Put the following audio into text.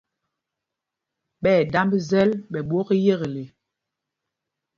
Ɓɛ̂ damb zɛl ɓɛ ɓwok iyekle.